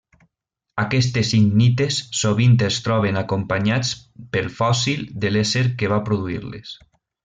Aquestes icnites sovint es troben acompanyats pel fòssil de l'ésser que va produir-les.